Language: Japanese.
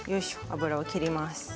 油を切ります。